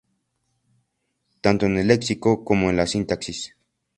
tanto en el léxico como en la sintaxis